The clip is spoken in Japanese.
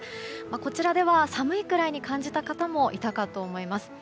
こちらでは寒いくらいに感じた方もいたかと思います。